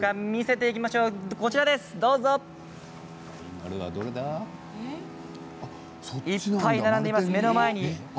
いっぱい並んでいます、目の前に。